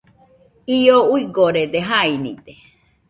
Io uigorede, jainide,